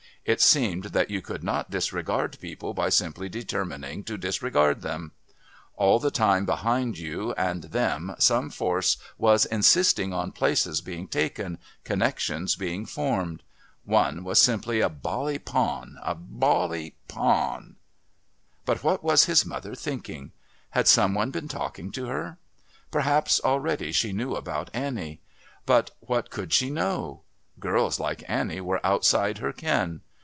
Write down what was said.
It seemed that you could not disregard people by simply determining to disregard them. All the time behind you and them some force was insisting on places being taken, connections being formed. One was simply a bally pawn...a bally pawn.... But what was his mother thinking? Had some one been talking to her? Perhaps already she knew about Annie. But what could she know? Girls like Annie were outside her ken.